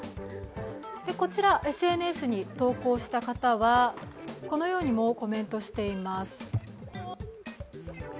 こちら、ＳＮＳに投稿した方はこのようにもコメントしています。